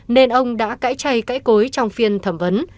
nên ông đã cãi chay cãi cối trong phiên thẩm vấn